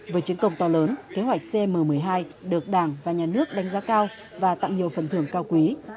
với chiến công to lớn kế hoạch cm một mươi hai được đảng và nhà nước đánh giá cao và tặng nhiều phần thưởng cao quý